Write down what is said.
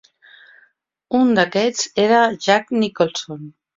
Un d'aquests era Jack Nicholson.